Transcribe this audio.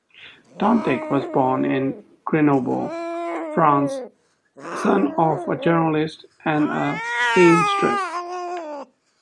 Dantec was born in Grenoble, France, the son of a journalist and a seamstress.